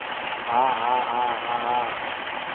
啊啊啊啊啊